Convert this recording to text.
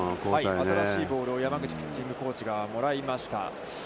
新しいボールを山口ピッチングコーチがもらいました。